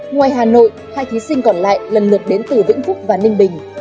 ngoài hà nội hai thí sinh còn lại lần lượt đến từ vĩnh phúc và ninh bình